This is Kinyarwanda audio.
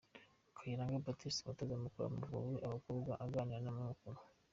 Kayiranga Baptiste umutoza mukuru w'Amavubi y'abagkobwa aganira n'abanyamakuru.